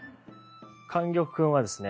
莟玉君はですね